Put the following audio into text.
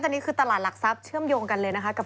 อันนี้คือตลาดหลักทรัพย์เชื่อมโยงกันเลยนะคะ